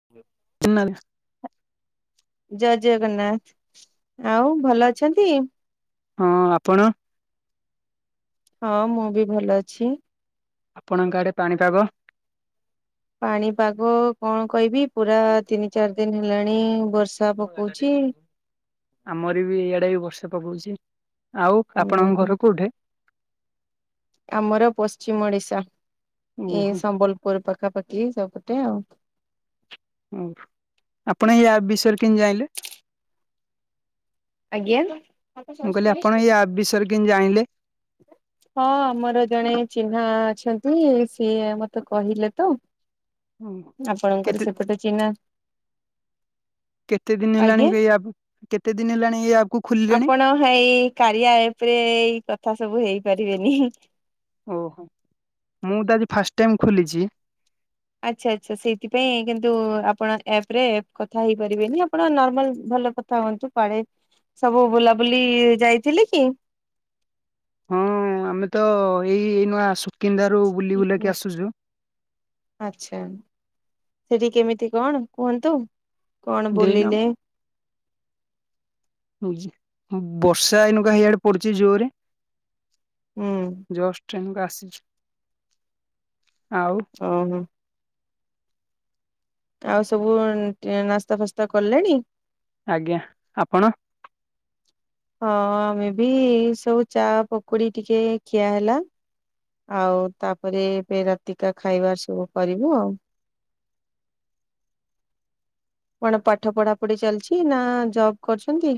[unintelligible] ଜୟ ଜଗନ୍ନାଥ। ଆଉ ଭଲ ଅଛନ୍ତି? ହଁ ଆପଣ? ହଁ ମୁଁ ବି ଭଲ ଅଛି। ଆପଣଙ୍କ ଆଡେ ପାଣିପାଗ? ପାଣିପାଗ କଣ କହିବି ପୁରା ତିନି ଚାରି ଦିନି ହେଲାଣି ବର୍ଷା ପକଉଚି। ଆମର ବି ଇଆଡେ ବର୍ଷା ପକଉଚି। ଆଉ ଆପଣଙ୍କ ହୁଁ ଘର କୋଉଠି? ଆମର ପଶ୍ଚିମ ଓଡିଶା। ଏଇ ଓହୋ ସମ୍ବଲପୁର ପାଖାପାଖି ସେପଟେ ଆଉ। ହଉ। ଆପଣ ୟା ବିଷୟରେ କେମିତି ଜାଣିଲେ? [inaudible] ଆଜ୍ଞା। ମୁଁ କହିଲି ଆପଣ ଏଇ ଆପ୍ ବିଷୟରେ କେମିତି ଜଣିଲେ? [inaudible] ହଁ ମୋର ଜଣେ ଚିହ୍ନା ଅଛନ୍ତି ସିଏ ମତେ କହିଲେ ତ। ଆପଣଙ୍କର କେତେ ସେପଟେ ଚିହ୍ନା। କେତେ ଦିନି ହେଲାଣି ଆଜ୍ଞା। ଏଇ ଆପ୍ କୁ। କେତେ ଦିନି ହେଲାଣି ଏଇ ଆପ୍ କୁ? ଖୋଲିଲେଣି? ଆପଣ ହେଇ କାରିଆ ଆପ୍ ରେ ଏଇ କଥା ସବୁ ହେଇପାରିବେନି ହ୍ନି। ଓହୋ, ମୁଁ ତ ଆଜି ଫାଷ୍ଟ ଟାଇମ ଖୋଲିଚି। ଆଚ୍ଛା ଆଚ୍ଛା ସେଇଥିପାଇଁ କିନ୍ତୁ ଆପଣ ଆପ୍ ରେ କଥା ହେଇପାରିବେନି ଆପଣ ନର୍ମାଲ ଭଲ କ। ଥାଅନ୍ତୁ। ପାଡେ ସବୁ ବୁଲାବୁଲି ଯାଇଥିଲେ କି? ହଁ ଆମେ ତ ଏଇ ନୂଆ ଆସୁ। [unintelligible] ଆଚ୍ଛା ସେଠି କେମିତି କଣ କୁହନ୍ତୁ କଣ ଦେଇନା ବୁଲିଲେ? ବର୍ଷା ଏଇନୁକା ହେଇଆଡେ ପଡୁଚି ଜୋରରେ ହୁଁ ଜଷ୍ଟ। ଏଇନୁକା ଆସିଚୁ ଆଉ। ଓହୋ। ଆଉ ସବୁ ନାସ୍ତା ଫାସ୍ତା କଲେଣି? ଆଜ୍ଞା, ଆପଣ? ହଁ ଆମେ ବି ସବୁ ଚା ପକୁଡି ଟିକେ ଖିଆ ହେଲା। ଆଉ ତାପରେ ଏବେ ରାତିକା ଖାଇବା ସବୁ କରିବୁ ଆଉ। କଣ ପାଠ ପଢା ପଢି ଚାଲିଚି ନା ଜବ କରୁଚନ୍ତି?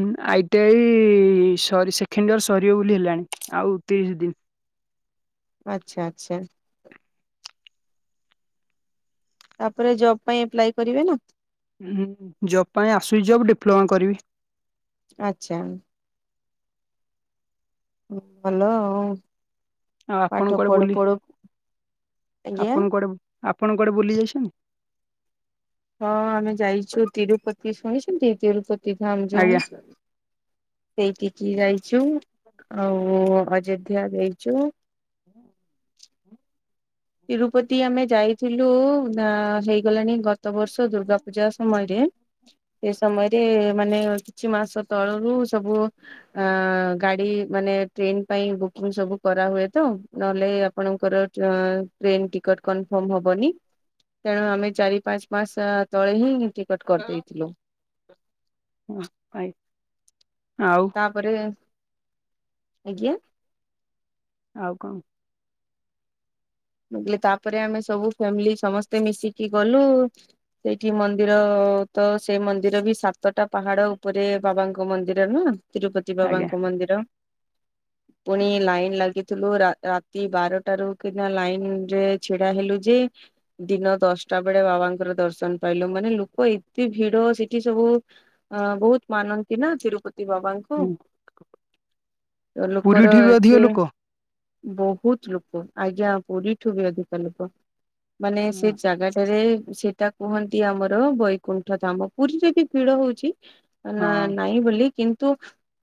ହୁଁ ଆଇଟିଆଇ ସରି ସେକେଣ୍ଡଇୟର ସରିବ ବୋଲି ହେଲାଣି। ଆଉ ତିରିଶ ଦିନ। ଆଚ୍ଛା ଆଚ୍ଛା। ତାପରେ ଜବ୍ ପାଇଁ ଏପ୍ଲାଏ କରିବେ ନା? ଜବ୍ ପାଇଁ ଆସୁଚି ଜବ୍ ଡିପ୍ଲୋମା କରିବି। ଆଛା ହୁଁ ଭଲ ଆଉ ଆଉ ଆପଣ କୁଆଡେ ବୁଲି ଆଜ୍ଞା ଆପଣ କୁଆଡେ ଆପଣ କୁଆଡେ ବୁଲି ଯାଇଛନ୍ତି ହଁ ଆମେ ଯାଇଛୁ ତିରୁପତି ଶୁଣିଛନ୍ତି ତିରୁପତି ଧାମ ଯଉ ଆଜ୍ଞା। ସେଇଠିକି ଯାଇଛୁ ଆଉ ଅଯୋଧ୍ୟା ଯାଇଚୁ। [inaudible] ତିରୁପତି ଆମେ ଯାଇଥିଲୁ। ନା ହେଇଗଲାଣି ଗତ ବର୍ଷ ଦୁର୍ଗା ପୂଜା ସମୟରେ ସେ ସମୟ ରେ ମାନେ କିଛି ମାସ ତଳରୁ ସବୁ ଆଁ ଗାଡି ମାନେ ଟ୍ରେନ ପାଇଁ ବୁକିଂ ସବୁ କରାହୁଏ ତ ନହେଲେ ଆପଣଙ୍କର ଚ ଟ୍ରେନ ଟିକଟ କନଫର୍ମ ହବନି ତେଣୁ ଆମେ ଚାରି ପାଞ୍ଚ ମାସ ତଳେ ହିଁ ଟିକେଟ କରିଦେଇ ଥିଲୁ। ହଁ ଭାଇ ଆଉ ତାପରେ, ଆଜ୍ଞା ଆଉ କଣ ମୁଁ କହିଲି ତାପରେ ଆମେ ସବୁ ଫ୍ୟାମିଲି ସମସ୍ତେ ମିଶିକି ଗଲୁ ସେଇଠି ମନ୍ଦିର ତ ସେଇ ମନ୍ଦିର ବି ସାତଟା ପାହାଡ ଉପରେ ବାବାଙ୍କ ମନ୍ଦିର ନା ତିରୁପତି ଆଜ୍ଞା ବାବାଙ୍କ ମନ୍ଦିର। ପୁଣି ଲାଇନ ଲାଗିଥିଲୁ ରାତି ବାରଟାରୁ କିନା ଲାଇନ ଯେ ଛିଡା ହେଲୁ ଯେ ଦିନ ଦଶଟା ବେଳେ ବାବାଙ୍କର ଦର୍ଶନ ପାଇଲୁ। ମାନେ ଲୋକ ଏତେ ଭିଡ ସେଠି ସବୁ ଆଁ ବହୁତ ମାନନ୍ତି ନା ତିରୁପତି ବାବାଙ୍କୁ ହୁଁ ତ ଲୋକର ପୁରୀଠି ବି ଅଧିକ ଏତେ ଲୋକ ବହୁତ ଲୋକ ଆଜ୍ଞା ପୁରୀଠୁ ବି ଅଧିକା ଲୋକ। ମାନେ ସେ ହଁ ଜାଗାଟାରେ ସେ ସେଟା କୁହନ୍ତି ଆମର ବୈକୁଣ୍ଠ ଧାମ। ପୁରୀରେ ବି ଭିଡ ହଉଛି ନାଁ ନାଁ ନାଁହିଁ ବୋଲି କିନ୍ତୁ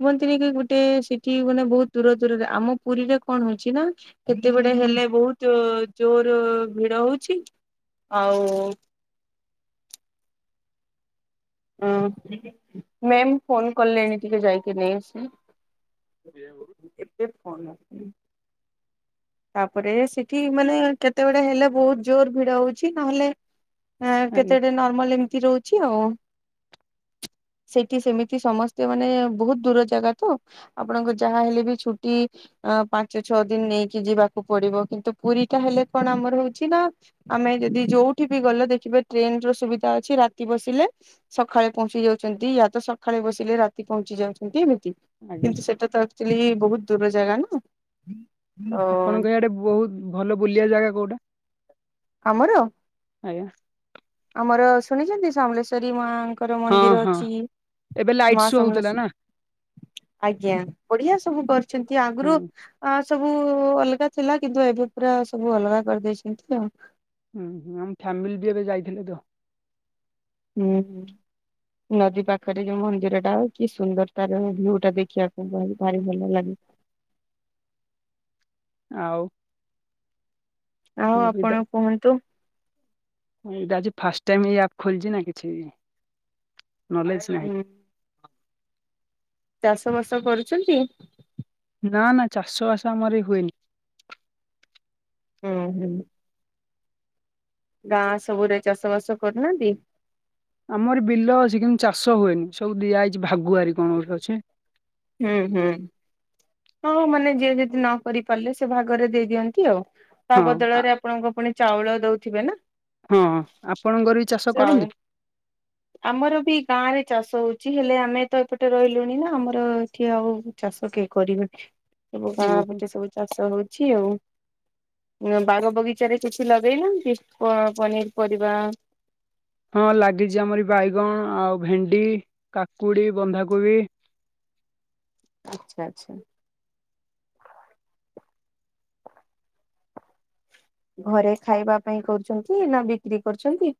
କୁହନ୍ତିନି କି ଗୋଟେ ସେଠି ମାନେ ବହୁତ ଦୂର ଦୂରରେ ଆମ ପୁରୀରେ କଣ ହଉଛି ନା କେତେ ଗୁଡେ ହେଲେ ବହୁତ ଜୋର ଭିଡ ହଉଛି ଆଉ ଉଁ ମ୍ୟାମ୍ ଫୋନ କଲେଣି ଟିକେ ଯାଇକି ନେଇଆସିବ। ସିଏ ବହୁତ ଏ ଫୋନ୍ ଆସିଲେଇଁ। ତାପରେ ସେଠି ମାନେ କେତେବେଡେ ହେଲେ ବହୁତ ଜୋର ଭିଡ ହଉଛି ନହେଲେ ଆଜ୍ଞା କେତେଟେ ନର୍ମାଲ ଏମିତି ରହୁଚି ଆଉ ସେଠି ସେମିତି ସମସ୍ତେ ମାନେ ବହୁତ ଦୂର ଜାଗା ତ ଆପଣଙ୍କୁ ଯାହା ହେଲେ ବି ଛୁଟି ଆଁ ପାଞ୍ଚ ଛଅ ଦିନ୍ ନେଇକି ଯିବାକୁ ପଡିବ କିନ୍ତୁ ପୁରୀ ଟା ହେଲେ କଣ ଆମର ହଉଛି ନା ଆମେ ଯଦି ଯୋଉଠି ବି ଗଲେ ଦେଖିବେ ଟ୍ରେନ ର ସୁବିଧା ଅଛି ରାତି ବସିଲେ ସଖାଳେ ପହଞ୍ଚି ଯାଉଛନ୍ତି ୟା ତ ସଖାଳେ ବସିଲେ ରାତି ପହଞ୍ଚି ଯାଉଛନ୍ତି ଏମିତି ଆଜ୍ଞା କିନ୍ତୁ ସେଟା ତ ଆକଟୁଆଲ୍ଲୀ ବହୁତ ଦୂର ଜାଗା ନା ଓ ଆପଣଙ୍କ ଇଆଡେ ବହୁତ ଭଲ ବୁଲିବା ଜାଗା କୋଉଟା ଆମର ଆଜ୍ଞା ଆମର ଶୁଣିଛନ୍ତି ସମଲେଶ୍ଵରୀ ମାଙ୍କ ଙ୍କର ହଁ ମନ୍ଦିର ହଁ ଅଛି ଏବେ ଲାଇଟ୍ ମା ଶୋ ସମଲେସ୍। ହଉଥିଲା ନା। ଆଜ୍ଞା ବଢ଼ିଆ ସବୁ କରୁଛନ୍ତି ଆଗରୁ ହୁଁ ଆ ସବୁ ଅଲଗା ଥିଲା କିନ୍ତୁ ଏବେ ପୁରା ସବୁ ଅଲଗା କରିଦେଇଛନ୍ତି ଆଉ ହୁଁ ଆମ ଫ୍ୟାମିଲି ବି ଏବେ ଯାଇଥିଲେ ତ? ହୁଁ ହୁଁ। ନଦୀ ପାଖରେ ଯୋଉ ମନ୍ଦିର ଟା ଅ କି ସୁନ୍ଦର ତାର ଭିୟୁ ଟା ଦେଖିବାକୁ ଭାରି ଭଲ ଲାଗେ। ଆଉ? ଆଉ ମୁଁ ବି ତ ଆପଣ କୁହନ୍ତୁ? ଏଇଟା ଆଜି ଫାଷ୍ଟ ଟାଇମ୍ସ ଏଇ ଆପ ଖୋଲିଛି ନା କିଛି ନଲେଜ ନାହିଁ। ହୁଁ ଚାଷ ବାସ କରୁଛନ୍ତି। ନା ନା ଚାଷ ବାସ ଆମର ଏଇ ହୁଏନି। ହୁଁ ହୁଁ। ଗାଁ ସବୁରେ ଚାଷ ବାସ କରୁନାହାନ୍ତି। ଆମର ବିଲ ଅଛି କିନ୍ତୁ ଚାଷ ହୁଏନି ସବୁ ଦିଆଯାଇଛି ଭାଗୁଆରି କଣ ଗୋଟେ ଅଛି? ହୁଁ ହୁଁ। ହଁ ମାନେ ଯିଏ ଯଦି ନ କରି ପାରିଲେ ସେ ଭାଗରେ ଦେଇଦିଅନ୍ତି ଆଉ ତା ହଁ। ଆ ବଦଳରେ ଆପଣଙ୍କୁ ପୁଣି ଚାଉଳ ଦଉଥିବେ ନା? ହଁ ଆପଣଙ୍କର ବି ଚାଷ ଚାଉଳ କରନ୍ତି। ଆମର ବି ଗାଁରେ ଚାଷ ହଉଛି ହେଲେ ଆମେ ତ ଏପଟେ ରହିଲୁଣି ନା ଆମର ଏଠି ଆଉ ଚାଷ କେହି କରିବେନି ସବୁ ଗାଁ ଓହୋ ପଟେ ସବୁ ଚାଷ ହଉଛି ଆଉ ବାର ବଗିଚାରେ କିଛି ଲଗେଇନାହାନ୍ତି ପନିର ପରିବା। ହଁ ଲାଗିଛି ଆମରି ବାଇଗଣ ଆଉ ଭେଣ୍ଡି କାକୁଡି ବନ୍ଧାକୋବି। ଆଚ୍ଛା ଆଚ୍ଛା। ଘରେ ଖାଇବା ପାଇଁ କରୁଛନ୍ତି ନା ବିକ୍ରି କରୁଛନ୍ତି?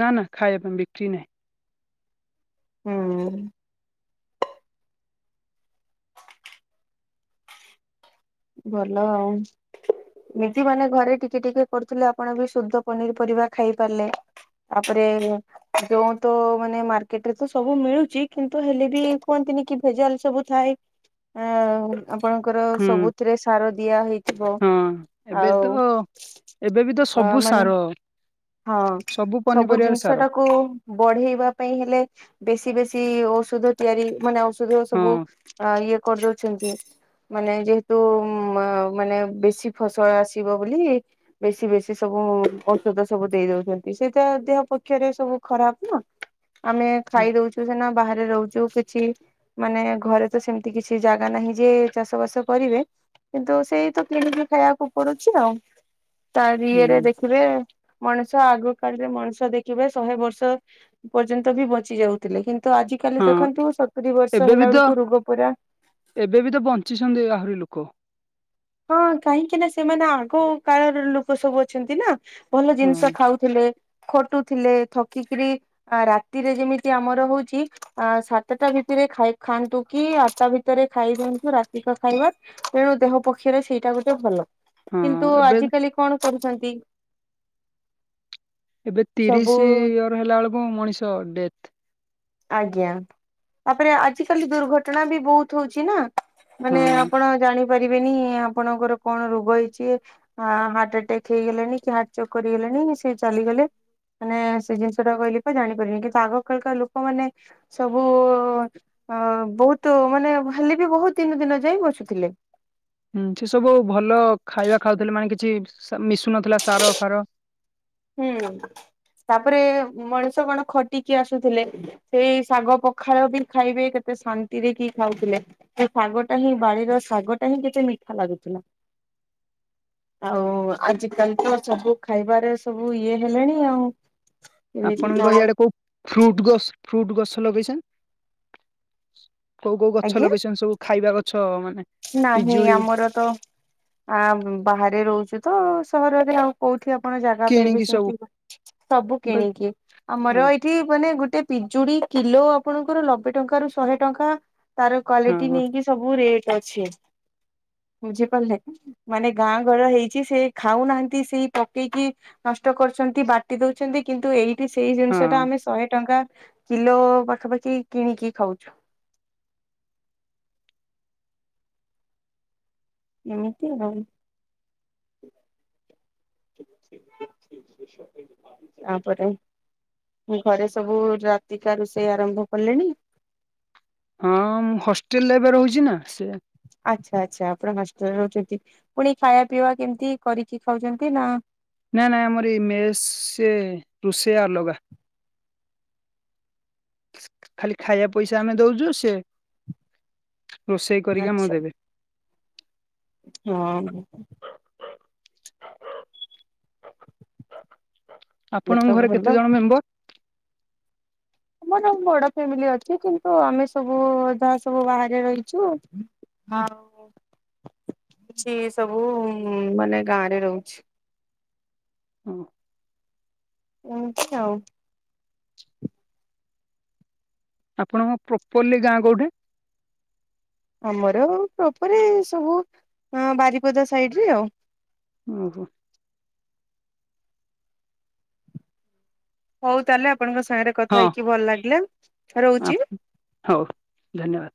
ନା ନା ଖାଇବା ପାଇଁ ବିକ୍ରି ନାହିଁ। ହୁଁ। ଭଲ ଆଉ ଏମିତି ମାନେ ଘରେ ଟିକେ ଟିକେ କରୁଥିଲେ ଆପଣ ବି ଶୁଦ୍ଧ ପନିର ପରିବା ଖାଇ ପାରିଲେ। ତାପରେ ଯୋଉ ତ ମାନେ ମାର୍କେଟରେ ତ ସବୁ ମିଳୁଛି କିନ୍ତୁ ହେଲେ ବି କୁହନ୍ତିନି କି ଭେଜାଲ ସବୁ ଥାଏ। ଆ ଆପଣଙ୍କର ହୁଁ ସବୁଥିରେ ସାର ଦିଆ ହେଇ ଥିବ ହଁ। ଏବେ ତ ଆଉ ଏବେ ବି ତ ଅ ସବୁ ସାର ମାନେ ହଁ ସବୁ ପନିପରିବାରେ ସାର ଜିନିଷଟାକୁ ବଢେଇବା ପାଇଁ ହେଲେ ବେଶୀ ବେଶୀ ଔଷଧ ତିଆରି ମାନେ ଔଷଧ ହଁ। ସବୁ ଆ ଇଏ କରିଦଉଛନ୍ତି। ମାନେ ଯେହେତୁ ମାନେ ବେଶୀ ଫସଲ ଆସିବ ବୋଲି। ବେଶୀ ବେଶୀ ସବୁ ଔଷଧ। ସବୁ ଦେଇ ଦଉଛନ୍ତି ସେଇଟା ଦେହ ପକ୍ଷରେ ସବୁ ଖରାପ ନା? ଆମେ ଖାଇଦଉଛୁ ସିନା ବାହାରେ ରହୁଛୁ କି କିଛି ମାନେ ଘରେ ତ ସେମିତି କିଛି ଜାଗା ନାହିଁ ଯେ ଚାଷ ବାସ କରିବେ? କିନ୍ତୁ ସେଇ ତ କିଣିକି ଖାଇବାକୁ ପଡୁଛି ଆଉ ତାର ହୁଁ ଇଏରେ ଦେଖିବେ? ମଣିଷ ଆଗ କାଳରେ ମଣିଷ ଦେଖିବେ ଶହେ ବର୍ଷ ପର୍ଯ୍ୟନ୍ତ ବି ବଞ୍ଚି ଯାଉଥିଲେ କିନ୍ତୁ ଆଜି କାଲି ହଁ ଦେଖନ୍ତୁ ସତୁରି ବର୍ଷ ଏବେ ବି ହେଲା ତ ବେଳକୁ ରୋଗ ପୁରା ଏବେ ବି ତ ବଞ୍ଚିଛନ୍ତି ଆହୁରି ଲୋକ। ହଁ କାହିଁକି ନା ସେମାନେ ଆଗ କାଳର ଲୋକ ସବୁ ଅଛନ୍ତି ନା ଭଲ ହଁ ଜିନିଷ ଖାଉ ଥିଲେ ଖଟୁଥିଲେ ଥକିକିରି ଆ ରାତିରେ ଯେମିତି ଆମର ହଉଚି ଅ ସାତଟା ଭିତରେ ଖାଇ ଖାଆନ୍ତୁ କି ଆଠଟା ଭିତରେ ଖାଇଦିଅନ୍ତୁ ରାତିକ ଖାଇବା। ତେଣୁ ଦେହ ପକ୍ଷରେ ସେଇଟା ଗୋଟେ ଭଲ ହଁ କିନ୍ତୁ ଏବେ ଆଜିକାଲି କଣ କରୁଛନ୍ତି? ଏବେ ସବୁ ତିରିଶ ଇୟର ହେଲା ବେଳକୁ ମଣିଷ ଡେଥ। ଆଜ୍ଞା ତାପରେ ଆଜିିକାଲି ଦୁର୍ଘଟଣା ବି ବହୁତ ହଉଛି ନା। ହଁ ମାନେ ଆପଣ ଜାଣିପାରିବେନି ଆପଣଙ୍କର କଣ ରୋଗ ହେଇଛି। ଆ ହାର୍ଟ ଆଟାକ ହେଇଗଲେଣି କି ହାର୍ଟ ଚକ୍ କରିଗଲେଣି ସେ ଚାଲିଗଲେ। ମାନେ ସେ ଜିନିଷ ଟା କହିଲେ ପା ଜାଣିପାରିନି କିନ୍ତୁ ଆଗ କାଳିକା ଲୋକମାନେ ସବୁ ଅ ବହୁତ ମାନେ ଭାଲି ବି ବହୁତ ଦିନ ଦିନ ଯାଇ ବସୁଥିଲେ। ହୁଁ ସେ ସବୁ ଭଲ ଖାଇବା ଖାଉଥିଲେ ମାନେ କିଛି ମିଶୁନଥିଲା ସାର ଫାର। ହୁଁ ତାପରେ ମଣିଷ କଣ ଖଟିକି ଆସୁଥିଲେ। ସେଇ ଶାଗ ପଖାଳ ବି ଖାଇବେ କେତେ ଶାନ୍ତିରେ କି ଖାଉଥିଲେ। ସେ ଶାଗ ଟା ହିଁ ବାଡିର ଶାଗ ଟା ହିଁ କେତେ ମିଠା ଲାଗୁଥିଲା। ଆଉ ଆଜିକାଲି ତ ସବୁ ଖାଇବାରେ ସବୁ ଇଏ ହେଲେଣି ଆଉ। ଏମିତି ଆପଣଙ୍କ କଣ ଏଇଆଡେ କୋଉ ଫ୍ରୁଟ ଗ ଫ୍ରୁଟ ଗଛ ଲଗେଇଛନ୍ତି? କୋଉ କୋଉ ଗଛ ଆଜ୍ଞା ଲଗେଇଛନ୍ତି ସବୁ ଖାଇବା ଗଛ ମାନେ ନାହିଁ ପିଜୁଳି ଆମର ତ ଆ ବାହାରେ ରହୁଛୁ ତ ସହରରେ ଆଉ କୋଉଠି ଆପଣ ଜାଗା ପାଇବେ କିଣିକି ସବୁ ସେମିତି ସବୁ ମୁଁ କହିଲି କିଣିକି ହଁ ଆମର ଠି ମାନେ ଗୋଟେ ପିଜୁଡି କିଲୋ ଆପଣଙ୍କର ନବେ ଟଙ୍କା ରୁ ଶହେ ଟଙ୍କା। ତାର ହଁ କ୍ଵାଲିଟି ହଁ ନେଇକି ସବୁ ରେଟ୍ ଅଛି ବୁଝିପାରିଲେ। ମାନେ ଗାଁ ଘର ହେଇଛି ସେ ଖାଉନାହାନ୍ତି ସେଇ ପକେଇକି ନଷ୍ଟ କରୁଛନ୍ତି। ବା ଟି ଦଉଛନ୍ତି କିନ୍ତୁ ଏଇଠି ସେଇ ଜିନିଷ ଟା ହଁ ଆମେ ଶହେ ଟଙ୍କା କିଲୋ ପାଖାପାଖି କିଣିକି ଖାଉଛୁ। ଏମିତି ଆଉ। ତାପରେ ଘରେ ସବୁ ରାତିକା ରୋଷେଇ ଆରମ୍ଭ କଲେଣି? ହଁ ମୁଁ ହଷ୍ଟେଲରେ ଏବେ ରହୁଛି ନା ସେ ଆଚ୍ଛା ଆଚ୍ଛା ଆପଣ ହଷ୍ଟେଲରେ ରହୁଛନ୍ତି ପୁଣି ଖାଇବା ପିଇବା କେମିତି କରିକି ଖାଉଛନ୍ତି ନା ନାଇଁ ନାଇଁ ଆମର ଏଇ ମେସ ସେ ରୋଷେଆ ଅଲଗା। ଖାଲି ଖାଇଆ ପଇସା ଆମେ ଦଉଛୁ ସେ ରୋଷେଇ କରିକି ଆମକୁ ଆଚ୍ଛା ଦେବେ। ହଁ। ହେଲେ ତ ଆପଣଙ୍କ ଘରେ ଭଲ। କେତେ ଜଣ ମେମ୍ବର? ଆମର ବଡ ଫ୍ୟାମିଲି ଅଛି କିନ୍ତୁ ଆମେ ସବୁ ଅ ଯା ସବୁ ବାହାରେ ରହିଛୁ। ହଁ ସିଏ ସବୁ ମାନେ ଗାଁରେ ରହୁଛି। ଏମିତି ଆଉ। ଆପଣଙ୍କ ପ୍ରପରଲି ଗାଁ କୋଉଠି? ଆମର ପ୍ରପର ଏ ସବୁ ବାରିପଦା ସାଇଡ ରେ ଆଉ। ଉଁ ହୁଁ। ହଉ ତାହେଲେ ଆପଣଙ୍କ ସାଙ୍ଗରେ କଥା ହଁ ହେଇକି ଭଲ ଲାଗିଲା ରହୁଛି। ହଉ ଧନ୍ୟବାଦ।